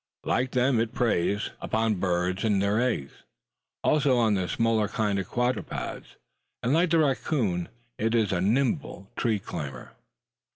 Like them it preys upon birds and their eggs, as also on the smaller kinds of quadrupeds, and like the racoon, it is a nimble tree climber.